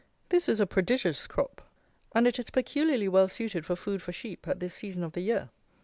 This is a prodigious crop, and it is peculiarly well suited for food for sheep at this season of the year.